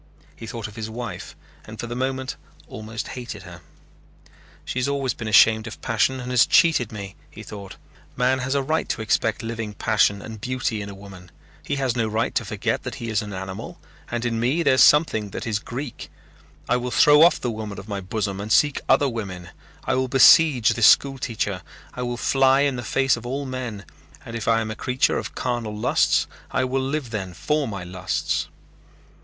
He thought of his wife and for the moment almost hated her. "She has always been ashamed of passion and has cheated me," he thought. "Man has a right to expect living passion and beauty in a woman. He has no right to forget that he is an animal and in me there is something that is Greek. I will throw off the woman of my bosom and seek other women. I will besiege this school teacher. I will fly in the face of all men and if I am a creature of carnal lusts I will live then for my lusts."